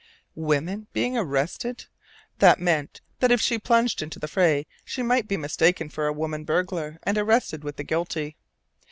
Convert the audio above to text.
"'Women ... being arrested ...'" That meant that if she plunged into the fray she might be mistaken for a woman burglar, and arrested with the guilty.